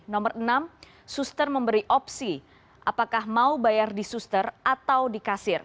nomor enam suster memberi opsi apakah mau bayar di suster atau di kasir